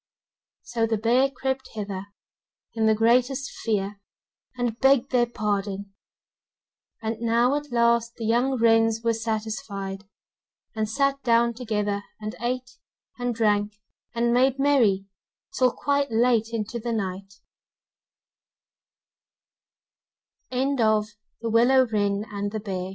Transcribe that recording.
So the bear crept thither in the greatest fear, and begged their pardon. And now at last the young wrens were satisfied, and sat down together and ate and drank, and made merry till quite late into the nigh